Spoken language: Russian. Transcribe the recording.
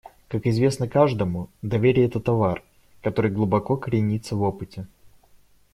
Как известно каждому, доверие − это товар, который глубоко коренится в опыте.